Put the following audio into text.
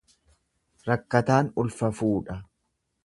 Rakkataan ulfa fuudha.